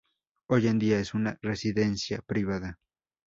Hoy en día es una residencia privada.